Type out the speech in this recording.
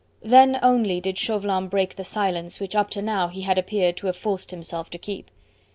Then only did Chauvelin break the silence which up to now he had appeared to have forced himself to keep.